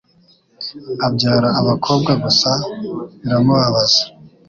abyara abakobwa gusa biramubabaza